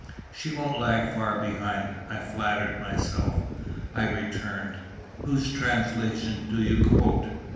"She won't lag far behind, I flatter myself," I returned. "Whose translation do you quote?"